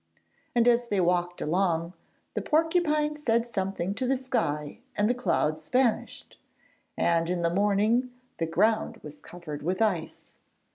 And as they walked along, the porcupine said something to the sky and the clouds vanished, and in the morning the ground was covered with ice.